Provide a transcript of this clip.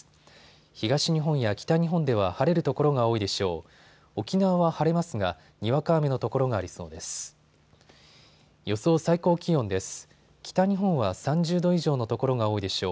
東日本や北日本では晴れる所が多いでしょう。